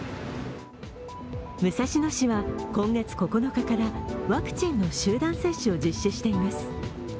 武蔵野市では今月９日からワクチンの集団接種を実施しています。